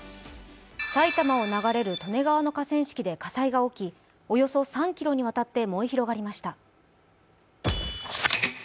埼玉を流れる利根川の河川敷で火災が起きおよそ３ｋｍにわたって燃え広がりました。